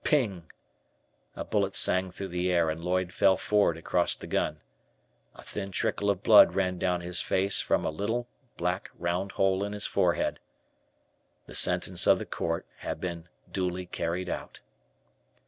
"Ping!" a bullet sang through the air, and Lloyd fell forward across the gun. A thin trickle of blood ran down his face from a little, black round hole in his forehead. The sentence of the court had been "duly carried out."